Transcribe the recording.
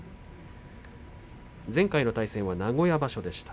前回の対戦は名古屋場所でした。